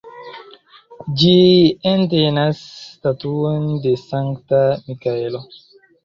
Ĝi entenas statuon de Sankta Mikaelo.